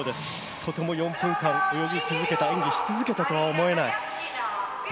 とても４分間、泳ぎ続けた、演技し続けたとは思えない。